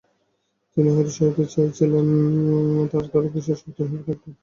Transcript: তিনি হয়তো সহায়তা চেয়েছিলেন তাঁর এবং তাঁর অফিসারদের আত্মসমর্পণের একটা বোঝাপড়ার।